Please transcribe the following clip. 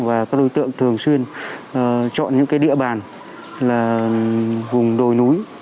và các đối tượng thường xuyên chọn những địa bàn là vùng đồi núi